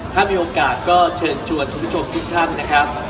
ถ้ามีโอกาสก็เชิญชวนคุณผู้ชมทุกท่านนะครับ